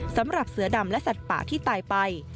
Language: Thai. สำหรับเสือดำและสัตว์ป่าที่ตายไป